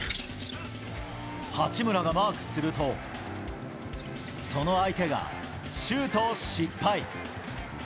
八村がマークすると、その相手がシュートを失敗。